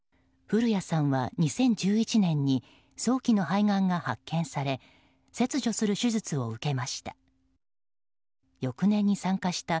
古谷さんは２０１１年に早期の肺がんが発見され切除する手術を受けました。